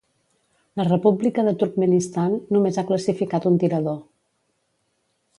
La República de Turkmenistan només ha classificat un tirador.